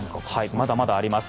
まだまだあります。